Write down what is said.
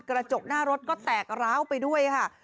กระจกหน้ารถก็แตกร้าวไปด้วยค่ะ